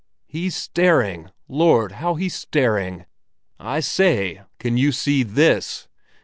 "He's staring! Lord, how he's staring! I say, can you see this?"